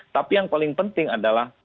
tapi yang paling penting adalah